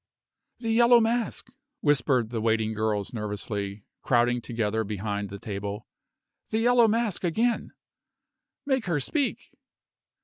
"The Yellow Mask!" whispered the waiting girls nervously, crowding together behind the table. "The Yellow Mask again!" "Make her speak!"